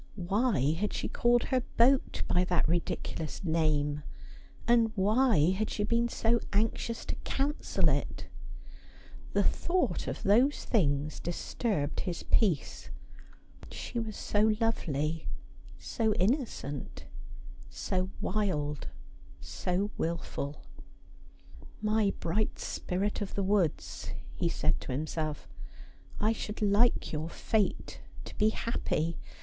Why had she called her boat by that ridicu lous name : and why had she been so anxious to cancel it ? The thought of those things disturbed his peace. She was so lovely, so innocent, so wild, so wilful. ' My bright spirit of the woods,' he said to himself, ' I should like your fate to be happy.